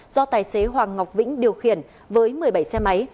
do tài xế hoàng ngọc vĩnh điều khiển với một mươi bảy xe máy